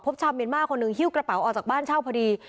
ชาวเมียนมาร์คนหนึ่งหิ้วกระเป๋าออกจากบ้านเช่าพอดี